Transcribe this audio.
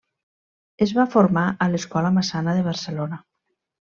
Es va formar a l'Escola Massana de Barcelona.